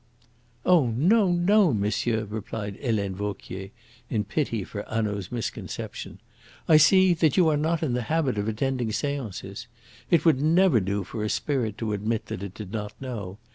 '" "Oh no no, monsieur," replied Helene Vauquier in pity for Hanaud's misconception, "I see that you are not in the habit of attending seances. It would never do for a spirit to admit that it did not know.